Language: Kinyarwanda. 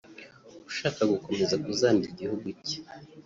ushaka gukomeza kuzambya igihugu cye